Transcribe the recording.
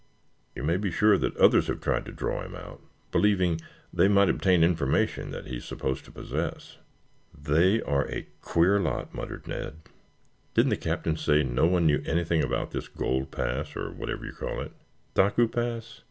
You may be sure that others have tried to draw him out, believing they might obtain information that he is supposed to possess." "They are a queer lot," muttered Ned. "Didn't the Captain say no one knew anything about this gold pass, or whatever you call it?" "Taku Pass?